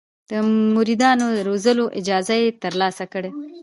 د مریدانو د روزلو اجازه یې ترلاسه کړه.